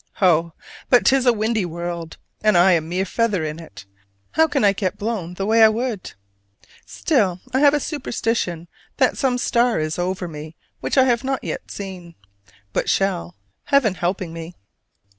Oh, but 'tis a windy world, and I a mere feather in it: how can I get blown the way I would? Still I have a superstition that some star is over me which I have not seen yet, but shall, Heaven helping me.